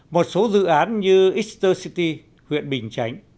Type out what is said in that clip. một số dự án như ister city huyện bình chánh